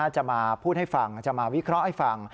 จะมาพูดให้ฟังจะมาวิเคราะห์ให้ฟัง